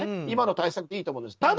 今の対策でいいと思います。